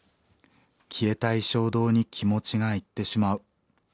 消えたい衝動に気持ちがいってしまう。